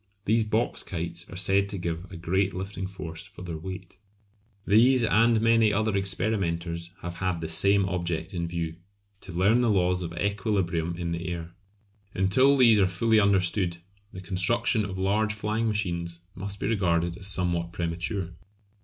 These box kites are said to give a great lifting force for their weight. These and many other experimenters have had the same object in view to learn the laws of equilibrium in the air. Until these are fully understood the construction of large flying machines must be regarded as somewhat premature.